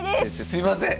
すいません！